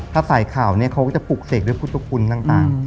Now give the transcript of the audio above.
ถ้าสายขาวเนี่ยเขาก็จะผูกเสกด้วยผู้ตกคุณต่าง